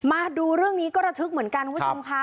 มาดูเรื่องนี้ก็ระทึกเหมือนกันคุณผู้ชมค่ะ